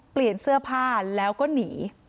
เปลี่ยนเสื้อผ้าแล้วก็หนี